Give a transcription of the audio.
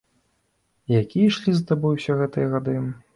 І якія ішлі за табой усе гэтыя гады.